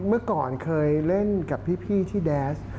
เมื่อก่อนเคยเล่นกับพี่ที่แดนส์